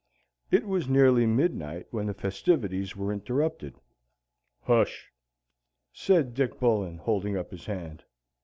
It was nearly midnight when the festivities were interrupted. "Hush," said Dick Bullen, holding up his hand.